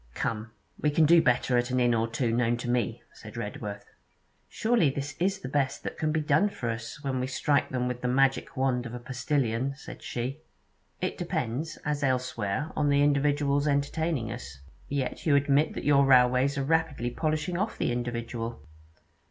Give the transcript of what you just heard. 'Come, we can do better at an inn or two known to me,' said Redworth. 'Surely this is the best that can be done for us, when we strike them with the magic wand of a postillion?' said she. 'It depends, as elsewhere, on the individuals entertaining us.' 'Yet you admit that your railways are rapidly "polishing off" the individual.'